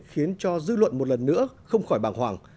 khiến cho dư luận một lần nữa không khỏi bàng hoàng